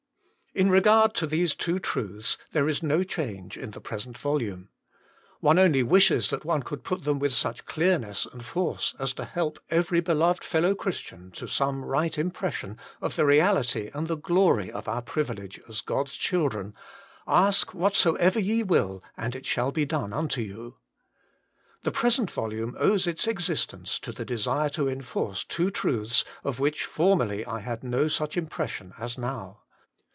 In regard to these two truths there is no change in the present volume. One only wishes that one could put them with such clearness and force as to 4 INTRODUCTION help every beloved fellow Christian to some right impression of the reality and the glory of our privilege as God s children : "Ask whatsoever ye will, and it shall be done unto you." The present volume owes its existence to the desire to enforce two truths, of which formerly I had no such impres sion as now.